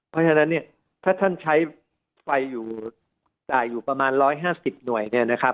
เพราะฉะนั้นถ้าท่านใช้ไฟจ่ายอยู่ประมาณ๑๕๐หน่วย